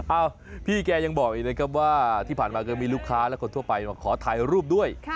พี่แกยังบอกอีกนะครับว่าที่ผ่านมาก็มีลูกค้าและคนทั่วไปมาขอถ่ายรูปด้วย